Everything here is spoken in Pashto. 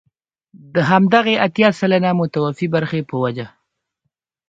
د همدغې اتيا سلنه متوفي برخې په وجه.